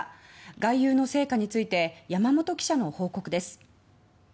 外遊の成果について山本記者の報告です。